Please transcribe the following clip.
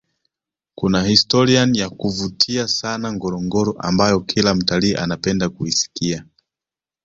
kuna historian ya kuvutia sana ngorongoro ambayo Kila mtalii anapenda kuisikia